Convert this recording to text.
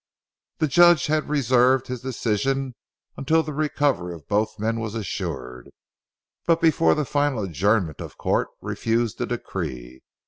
The judge had reserved his decision until the recovery of both men was assured, but before the final adjournment of court, refused the decree.